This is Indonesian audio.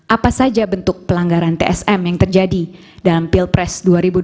apa saja bentuk pelanggaran tsm yang terjadi dalam pilpres dua ribu dua puluh